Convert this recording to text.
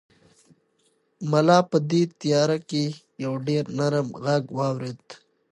ملا په دې تیاره کې یو ډېر نرم غږ واورېد.